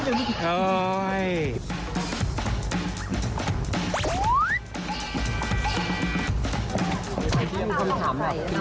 เราต้องอยู่ในใจกัน